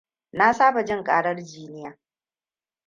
Na saba jin ƙarar jiniya.